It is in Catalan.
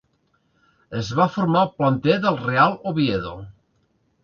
Es va formar al planter del Real Oviedo.